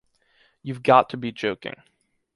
You’ve got to be joking.